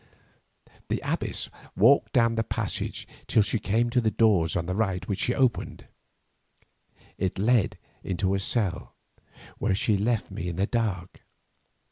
The abbess walked down the passage till she came to a door on the right which she opened. It led into a cell, and here she left me in the dark.